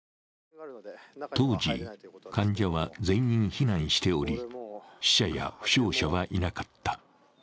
当時、患者は全員避難しており、死者や負傷者はいなかった。